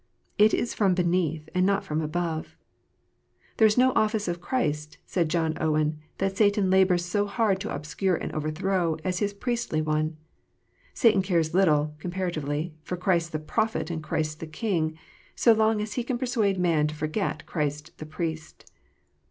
It is from beneath, and not from above. " There is no office of Christ," said John Owen, " that Satan labours so hard to obscure and overthrow as His priestly one." Satan cares little, comparatively, for Christ the Prophet, and Christ the King, so long as he can persuade man to forget Christ the Priest.